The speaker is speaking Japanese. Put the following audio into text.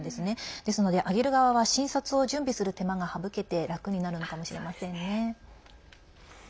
ですので、あげる側は新札を準備する手間が省けて楽になるのかもしれませんね。